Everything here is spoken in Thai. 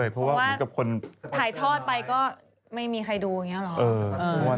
เพราะว่าถ่ายทอดไปก็ไม่มีใครดูอย่างนี้หรอ